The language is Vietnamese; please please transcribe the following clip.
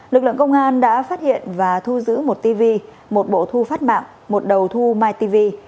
lực lượng công an đã phát hiện và thu giữ một tv một bộ thu phát mạng một đầu thu mtv